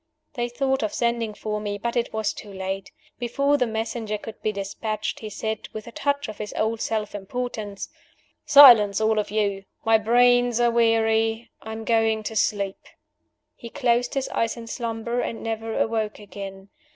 They thought of sending for me, but it was too late. Before the messenger could be dispatched, he said, with a touch of his old self importance, "Silence, all of you! my brains are weary; I am going to sleep." He closed his eyes in slumber, and never awoke again.